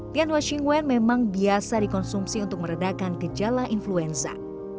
lian hua qingwen memang biasa dikonsumsi untuk meredakan gejala influenza